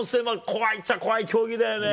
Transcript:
怖いっちゃ怖い競技だよね。